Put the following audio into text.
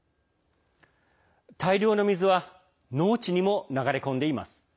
大量の水は農地にも流れ込んでいます。